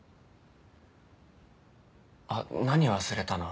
あっ何忘れたの？